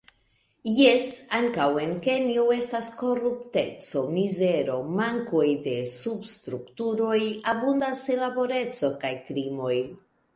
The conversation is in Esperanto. Jes, ankaŭ en Kenjo estas korupteco, mizero, mankoj en substrukturoj, abundas senlaboreco kaj krimoj.